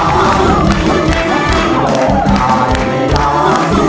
มีความร้องร้ายให้ร้าน